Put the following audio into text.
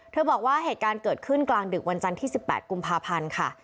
บอกว่าเหตุการณ์เกิดขึ้นกลางดึกวันจันทร์ที่๑๘กุมภาพันธ์ค่ะ